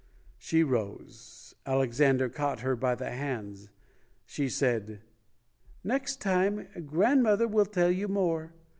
She rose. Alexander caught her by the hands. She said, "Next time, grandmother will tell you more.